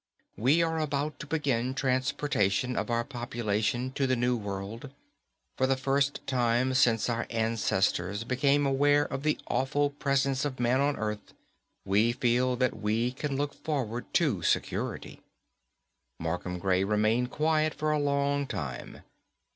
We are about to begin transportation of our population to the new world. For the first time since our ancestors became aware of the awful presence of man on the Earth, we feel that we can look forward to security._ Markham Gray remained quiet for a long time.